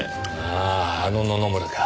あああの野々村か。